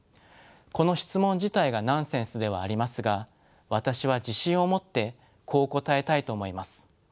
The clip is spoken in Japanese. この質問自体がナンセンスではありますが私は自信を持ってこう答えたいと思います。